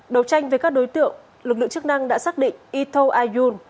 đầu tranh với các đối tượng lực lượng chức năng đã xác định ito ayun